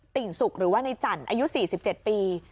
ติ่งสุกหรือว่าในจันทร์อายุสี่สิบเจ็ดปี